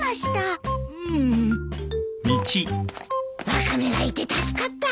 ワカメがいて助かった。